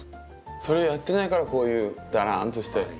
それをやってないからこういうだらんとして。